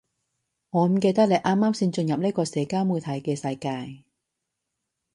我唔記得你啱啱先進入呢個社交媒體嘅世界